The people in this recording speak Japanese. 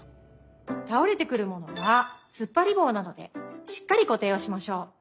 たおれてくるものはつっぱりぼうなどでしっかりこていをしましょう。